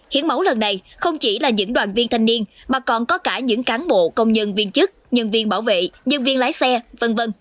hiến máu lần này không chỉ là những đoàn viên thanh niên mà còn có cả những cán bộ công nhân viên chức nhân viên bảo vệ nhân viên lái xe v v